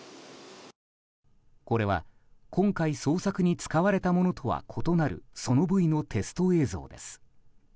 これは今回捜索に使われたものとは異なるソノブイのテスト映像です。